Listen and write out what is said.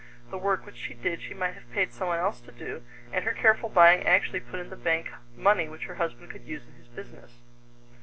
The work which she did she might have paid someone else to do; and her careful buying actually put in the bank money which her husband could use in his business.